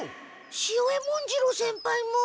潮江文次郎先輩も。